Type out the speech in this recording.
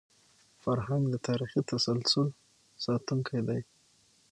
فرهنګ د تاریخي تسلسل ساتونکی دی.